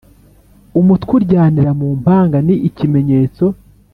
umutwe uryanira mumpanga ni ikimenyetso